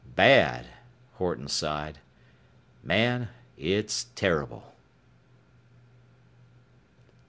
"Bad?" Horton sighed. "Man, it's terrible."